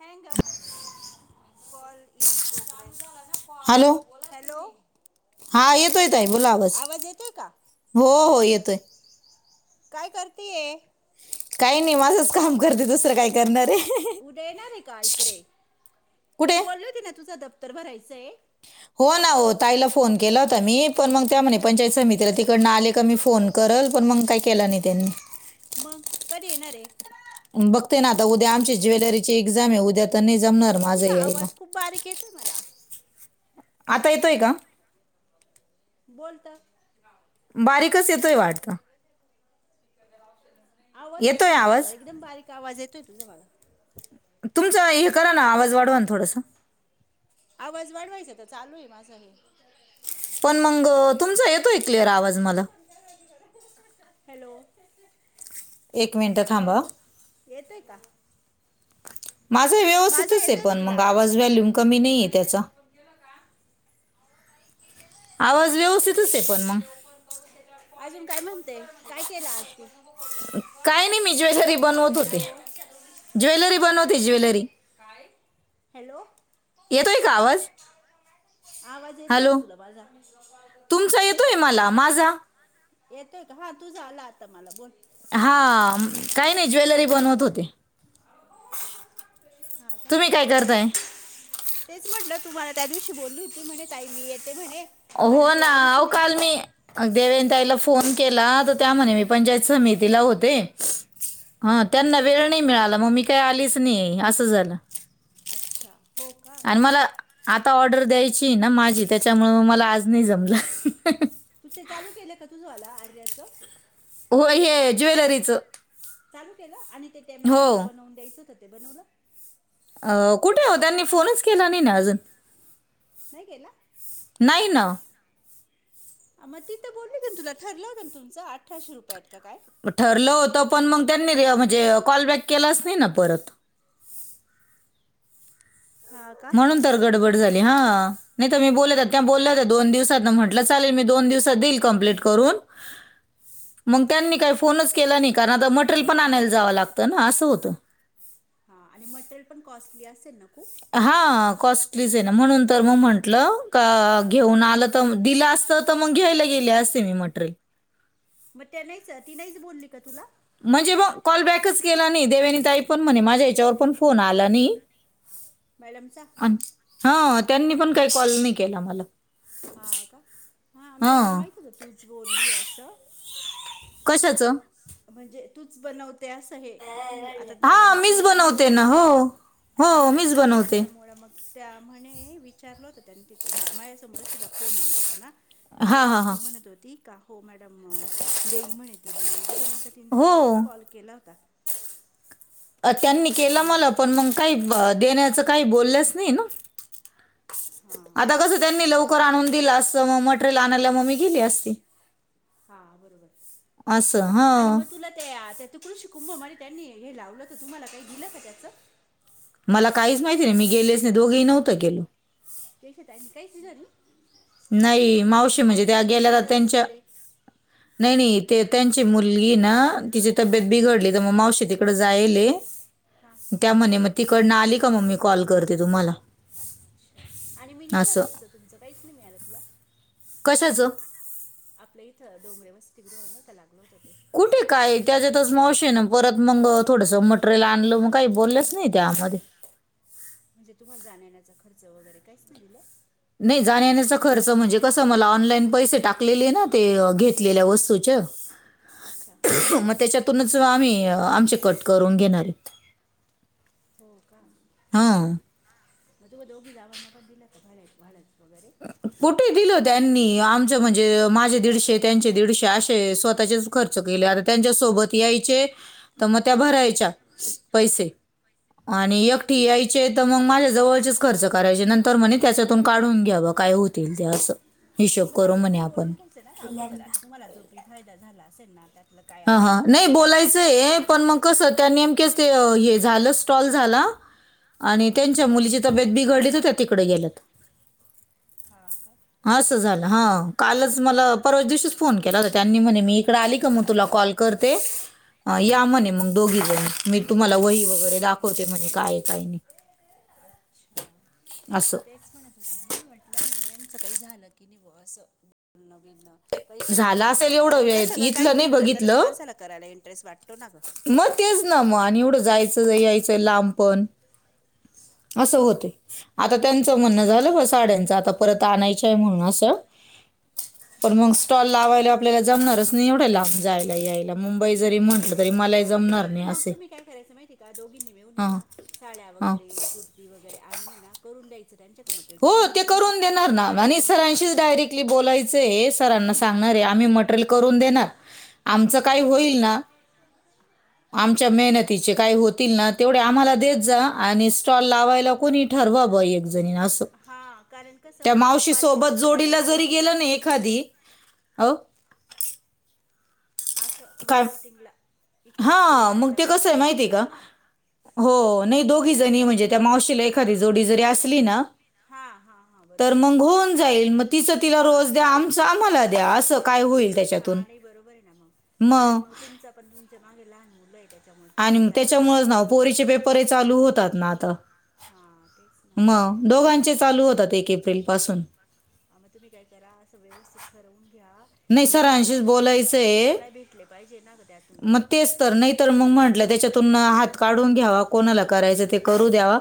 Hang up call in progress. Hello hello! हा येतोय ताई बोला आवाज तुम्ही येतोय का हो हो येतोय. काय करतीये? काही नाही माझंच काम करते दुसरं काही. उद्या येणार आहे का इकडे, कुठे तू बोलल ती ना तुझं दफ्तर भरायचंय. हो ना हो ताईला फोन केला होता मी, पण मग त्या म्हणे पंचायत समितीला तिकडन आले का मी फोन करल पण मग काही केला नाही त्यांनी. मंग कधी येणारे? बघते ना आता उद्या आमची ज्वेलरी ची एक्झाम आहे उद्या तर नाही जमणार. माझं तुझा यायला आवाज खूप बारीक येतोय मला. आता येतोय का? बोलता. बारीकच येतोय वाटतं. आवाजच येतोय येत नाही अगं आवाज एकदम बारीक आवाज येतोय तुझा मला. तुमचां हे करा ना आवाज वाढवा ना थोडस. आवाज वाढवायचा तर चालू आहे माझा हे. पण मंग तुमचा येतोय क्लिअर आवाज मला. हॅलो! एक मिनटात हॅलो! येतोय का? माझं माझा व्यवस्थितच आहे येतोय का पण तुला मग आवाज? व्हॅल्यूम कमी नाही आहे त्याचा आवाज व्यवस्थितच केलेलं आहे पण नाही मग ते ओपन अजून काय म्हणते काय केलं आज तू? काय नाही मी ज्वेलरी बनवत होते हॅलो. ज्वेलरी बनवते ज्वेलरी. काय हॅलो. येतोय का आवाज? आवाज येतोय का हॅलो तुला माझा? तुमचा येतोय मला माझा येतोय का हा. तूझा आला आता मला बोल. हा काही नाही ज्वेलरी बनवत होते. हा का तुम्ही काय करताय? तेच म्हटलं तुम्हाला त्या दिवशी बोलीती म्हणे ताई मी येते म्हणे. आणि हो तू ना आलीच अव नाही काल मी. अग देवयानी तईला फोन केला तर त्या म्हणे मी पंचायत समितीला होते. हा त्यांना वेळ नाही मिळाला मग् मी काही आलीच नाही असं झालं. अच्छा हो. का आणि मला आता ऑर्डर द्यायची, ना माझी त्याच्यामुळे मला आज नाही जमलं. [unintelligible] तू ते चालू केलं का तुझ आला आर्याच? होय हे ज्वेलरीचं. चालू केलं आणि ते त्या हो मॅडमला बनवून द्यायचं होतं ते बनवलं. अ कुठे हो त्यांनी फोनच केला नाही ना अजून. नाही केला. नाही ना. मग तिथं बोलली का ना तुला ठरलं होतं ना, तुमचं अठराशे रुपयात का काय? ठरलं होत पण मग त्यांनी म्हणजे कॉल बॅक केलाच नाही ना परत. हा का. म्हणून गडबड झाली हा नाही मी बोलत बोलला दोन दिवसात म्हटलं चालेल मग दोन दिवसात देई. कम्प्लीट करून. [inaudible] मग त्यांनी काही फोनच केला नाही. कारण आता मटेरियल पण आणायला जावं लागतं ना असं होतं. हा आणि मटेरियल पण कॉस्टली असेल ना खुप. हा कॉस्टलीच हे ना म्हणून तर मग म्हंटलं का हां घेऊन आलं त मग दिलं असतं तर मग घ्यायला गेले असते मी मटेरियल. मग त्या नाहीच ती नाहीच बोलली का तुला? म्हणजे मग कॉल बॅकच केला नाही. देवयानीताई पण म्हणे माझ्या याच्यावर पण फोन आला नाही. मॅडमचा. हा त्यांनी पण काही कॉल नाही केला मला. हा का हा मॅडमला माहित होतं तूच बोलली असं. कशाचं म्हणजे तुचं बनव ते असं हे तू आता हा मॅडम मीच तुला चांगले बनवते ओळखता हो ना. हो मीच बनवते. त्याच्यामुळं मग त्या म्हणे विचारलं होत त्यानी तिथे मा माझ्यासमोरच तिला फोन आला होता ना? मग हा हा तेंव्हाच हा ती म्हणत होती का हो मॅडम देईल म्हणे. ती बनवून त्याच्यानंतर तिनं हो तुला लगेच कॉल केला होता. अ त्यांनी का केलं बनव मला पण मग काही ब देण्याचं काही बोललंच नाही ना. हां आता कसं त्यांनी लवकर आणून दिलं असं म म्हट मटेरियल आणायला मग मी गेली असती हां बरोबर असं आणि हां. मग तुला त्या ते कृषी कुंभ मध्ये त्यांनी हे लावलं होतं तर तुम्हाला काही दिलं का त्याचं? मला काहीच माहिती नाही, मी गेलेच नाही दोघेही नव्हंत गे. [unintelligible] त्यांनी काहीच दिलं नाही. नाही मावशी म्हणजे आणि त्या या गेल्या मिनी का त्यांच्या सरसमध्ये नाही नाही ते त्यांची मुलगीची ना तिची हां तब्येत बिघडली तर मग मावशी तिकडे जायले हा. त्या म्हणे मग तिकडनं आली मग मी कॉल करते तुम्हाला अच्छा आणि मी निसार असं असतं तुमचं काहींच नाही मिळालं तुला. कशाचं? आपलं इथं डोंगरे वस्तीगृह नाही का लागलं होतं ते कुठे काय त्याच्यातच मग अशे हे ना परत मंग थोडसं म्हट मट्रेल आणलं मग काही बोललेच नाही त्यामध्ये म्हणजे तुम्हाला जाण्या येण्याचा खर्च वगैरे काहीच नाही दिलं. नाही जाण्या येण्याचा खर्च म्हणजे कसं मला ऑनलाईन पैसे टाकलेले ना ते अह घेतलेल्या वस्तूचे [unintelligible] हां हां हां मग त्याच्यातूनच आम्ही आमचे कट करून घेणारेत. हो का मग तुम्हा दोघी जावांना पण दिलं का भाड्या भाड्याने वगैरे कुठे दिलं त्यांनी आमचं म्हणजे माझे दीडशे त्यांचे दीडशे असे स्वतःचेच खर्च केले आता त्यांच्यासोबत यायचे तर मग त्या भरायच्या पैसे. आणि एकटी यायचे तर मग माझ्या जवळचेच खर्च करायचे नंतर म्हणे त्याच्यातून काढून घ्या मग काय होतील ते असं हिशेब मग करू तसं म्हणे तुम्ही आपण बोलून घ्यायचं ना अगोदर आता तुम्हाला जो फायदा झाला असेल ना. त्यातलं काय हा असेल तर हां नाही तिघींमध्ये वाटप करून बोलायचंय पण घ्यायचं मग कसं त्या नेमक्याच ते अह हे झाला स्टॉल झाला आणि हां त्यांच मुलीची तब्येत बिघडली तर त्या तिकडे गेल्यात हा. असं झालं हा कालच मला परवाच्या दिवशीच फोन केला होता त्यांनी म्हणे मी इकडे आली का मग हां तुला कॉल करते. अ या हां म्हणे मग दोघीजणी मी तुम्हाला वही वगैरे दाखवते म्हणजे काय ये काय [inaudible] असं तेच म्हणतं. मी म्हटलं [unintelligible] काही झालं की नाही ब असं बोलणं नवीन पैसे झालं भेटले की असेल नाही एवढं कारण का वेळ सगं काही इथलं नाही भेटलं तरच बघितलं माणसाला करायला इंटरेस्ट वाटतो ना ग मग तेच ना मग आणि एवढं जायचं यायचं लांबपण. असं होतेय. आता त्यांचं म्हणणं हा झालं ना ब ते साड्यांचं आता परत आणायच आहे म्हणून असं पण हां मग हां हां स्टॉल लावायला आपल्याला जमणारच निवढे ला जायला यायला मुंबई जरी म्हटलं तरी हा मलाही जमणार नाही मग असे तुम्ही काय करायचं माहितीय का दोघींनी मिळऊ नय हां ना साड्या हां वगैरे कुर्ती ती वगैरे आणून ये ना करून द्यायचं त्यांच्या क मटेरियल हो त्यांना म्हणा ते तुम्ही फक्त मार्केटिंगच काम करा. बोलायच सरांना सांणारे हां आम्ही मटरेल करून देणार आमचं काही होईल ना आमच्या हां मेहनतीच काही होतील ना तेवढे आम्हाला देत जा आणि स्टॉल लावायला कोणी ठरवा ब एक जणी असं- हां कारण कसं त्या मावशी सोबत मार्केटिंग करायला जोडीला एक जरी व्यक्ती गेलं लागतेच ना गं एखादी अब असं काय मार्केटिंकला इकडे तिकडे हां मग जायला ते कसं आहे वगैरे माहिती आहे लागतंस का ना हो नाइ दोघी जणी म्हणजे त्या मावशीला एखादी जोडी जरी असली ना हां हां हां तर बरोबर मग होऊन जाईल मग तिच तिला हां रोज द्या कारण आमच कसं आमाला द्या आस काय होईल तेच्यातून हां नाही बरोबर म माजे लाहान मुलंय तेच्यामुळ तुमाला जायला यायला त्याच्यामुळेच ना प्रॉब्लेम पोरीचे होतो पेपर चालू होतात ना आता हां तेच ना म मग दोघांचे चालू होतात एक एप्रिल पासून आ म तुमी काय करा असं व्यवस्थित ठरवून घ्या नाही म्हणजे कस सरांशीच मग दोन पैसे बोलायचंय तुम्हाला भेटले पाईजे ना ग त्यातून काइ मग तेच तर नइ तर म म्हंटलं तेच्यातून हात काढून घ्यावा कोणाला करायचं ते करू द्यावा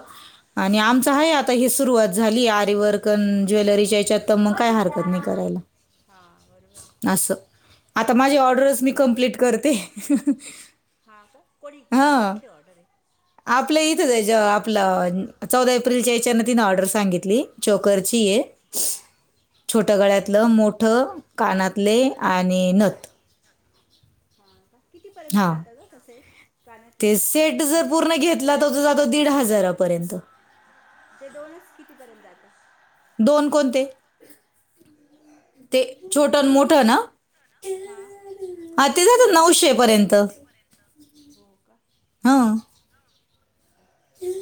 आणि आमचं हाय आता ही सुरुवात झाली आरीवर्कन ज्वेलरीच्या हेच्यात तर मंग काय हरकत नइ करायला हा बरोबरेय असं आता माझी ऑर्डरच मी कम्प्लीट करते हा का कोणी म्हणजे कुठली ऑर्डरे आपलं इथंचाय ज आपल चौदा एप्रिलच्या हच्यानं तिनं ऑर्डर सांगितली चोकरची अच्छा ये अच्छा छोट गळ्यातलं मोठं कानातले आणि नथ हा का कितीपर्यंत हां जातं ग तस हे कानातले ते हार सेट जर म्हणजे पूर्ण घेतला तर तो गळ्यातलं जातो दीड कानातलं आणि हजारापर्यंत ते दोनच कितीपर्यंत जात दोन कोणते ते छोट अन मोठ ना हा हा ते जातात नऊशे पर्यंत पर्यंत हो का हा अच्छा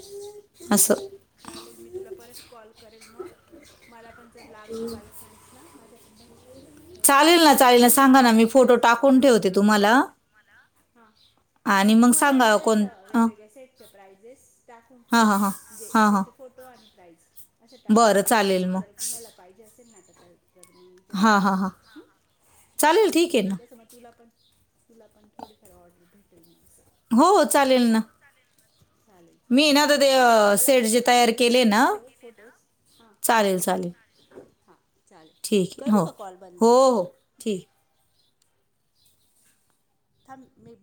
अस्सं चालेल मी तुला परत कॉल करेन म मला पण जर लागलं बाई चा चान्स ला माज्या पण भाषिक लग्नाय ठरतय चालेल ना चालेल जर ना सांगा कुनाला ना मी पाइजे फोटो असेल तर टाकून सांगेन ठेवते मी तुला तुम्हाला तस आणि तु मग मलाय सांगा ना कोण असं हां वेगवेगळ्या सेटचे प्रायजेस दाखवून हां ठेव हां हां म्हणजे हां हां त्याचे फोटो आणि प्राईज असं टाक बरं चालेल मग जर कुनाला पाइजे असेल ना जर तर म्हणून विचारन हां मी हां हां त्यांना चालेल ठीक आहे ना तस मग तुला पण थोडीफार ऑर्डर भेटेल मग असं हो चालेल ना चालेल मी चालेल ना आता ते तुला सांग मला सेट फक्त जे तू तयार हे केले ना टाकून ठेव फोटोज हां चालेल चालेल हां चालेल ठीके करू हो का कॉल बंद हो ठीक थांब मी पण